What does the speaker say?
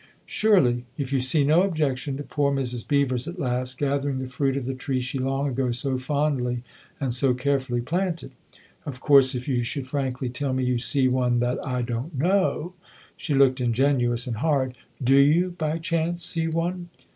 " Surely; if you see no objection to poor Mrs. Beever's at last gathering the fruit of the tree she long ago so fondly and so carefully planted. Of course if you should frankly tell me you see one that I don't know !" She looked ingenuous and hard. " Do you, by chance, see one